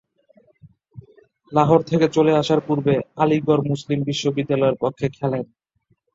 লাহোর থেকে চলে আসার পূর্বে আলীগড় মুসলিম বিশ্ববিদ্যালয়ের পক্ষে খেলেন।